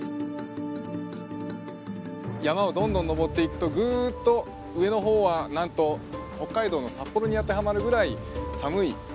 山をどんどん登っていくとグッと上の方はなんと北海道の札幌に当てはまるぐらい寒い場所